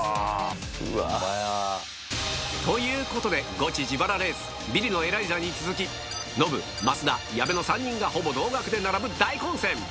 うわ。ということでゴチ自腹レースビリのエライザに続きノブ増田矢部の３人がほぼ同額で並ぶ大混戦